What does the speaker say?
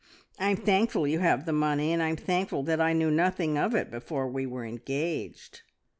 I'm thankful you have the money, and I'm thankful that I knew nothing of it before we were engaged."